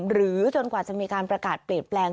หรือจนกว่าจะมีการประกาศเปลี่ยนแปลง